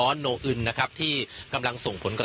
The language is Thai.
ตอนนี้ผมอยู่ในพื้นที่อำเภอโขงเจียมจังหวัดอุบลราชธานีนะครับ